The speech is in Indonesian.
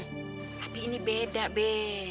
tapi ini beda be